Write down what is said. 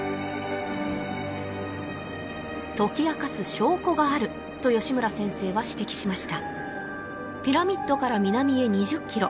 解き明かす証拠があると吉村先生は指摘しましたピラミッドから南へ２０ｋｍ